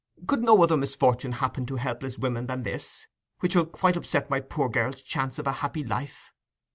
Could no other misfortune happen to helpless women than this, which will quite upset my poor girl's chance of a happy life?